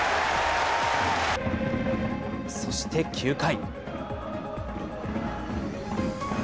そして９回。